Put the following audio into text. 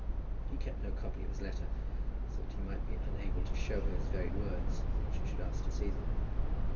He kept no copy of his letter, so that he might be unable to show her his very words when she should ask to see them.